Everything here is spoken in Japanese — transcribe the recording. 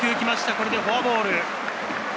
これでフォアボール。